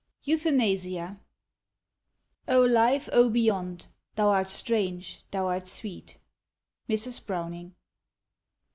EUTHANASIA "O Life, O Beyond, Thou art strange, thou art sweet!" _Mrs. Browning.